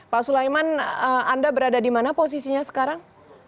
pak sulaiman anda berada di mana posisinya sekarang